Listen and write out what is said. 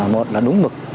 một là đúng mực